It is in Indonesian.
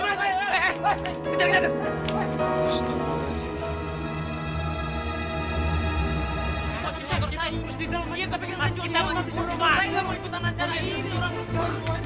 mas kita tuh mau ke jogja bukan nih mau ikutan acara ini mas